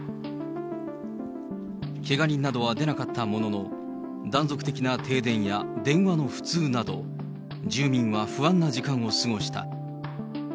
けが人などは出なかったものの、断続的な停電や電話の不通など、住民は不安な時間を過ごした。